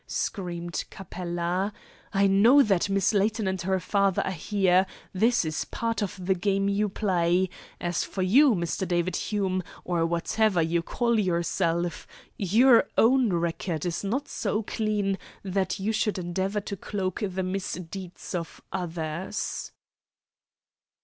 screamed Capella. "I know that Miss Layton and her father are here. That is part of the game you play. As for you, Mr. David Hume, or whatever you call yourself, your own record is not so clean that you should endeavour to cloak the misdeeds of others."